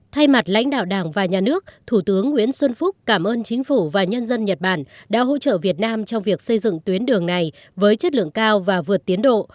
thay mặt lãnh đạo đảng và nhà nước thủ tướng nguyễn xuân phúc cảm ơn chính phủ và nhân dân nhật bản đã hỗ trợ việt nam trong việc xây dựng tuyến đường này với chất lượng cao và vượt tiến độ